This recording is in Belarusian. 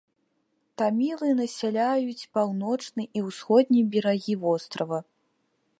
Тамілы насяляюць паўночны і ўсходні берагі вострава.